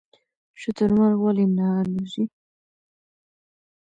شترمرغ ولې نه الوځي؟